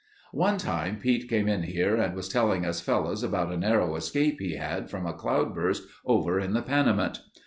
"One time Pete came in here and was telling us fellows about a narrow escape he had from a cloudburst over in the Panamint.